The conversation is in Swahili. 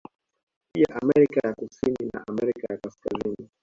Pia Amerika ya kusini na Amerika ya Kaskazini